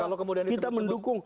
kalau kemudian disebut sebut